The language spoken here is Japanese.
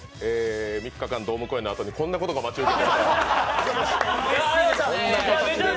３日間ドーム公演のあとにこんなことが待ち受けていようとは。